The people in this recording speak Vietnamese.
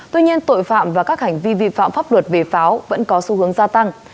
tuy nhiên tội phạm và các hành vi vi phạm pháp luật về pháo vẫn có xu hướng gia tăng